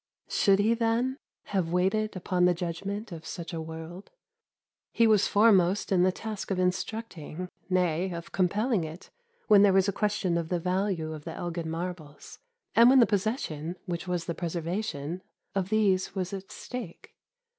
Should he, then, have waited upon the judgement of such a world? He was foremost in the task of instructing, nay, of compelling it when there was a question of the value of the Elgin Marbles, and when the possession which was the preservation of these was at stake.